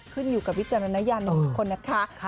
ขึ้นอยู่กับวิจารณญาณของทุกคนนะคะ